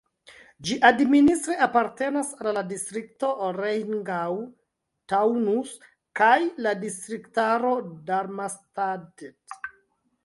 Ĝi administre apartenas al la distrikto Rheingau-Taunus kaj la distriktaro Darmstadt.